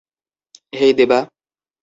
হেই, দেবা!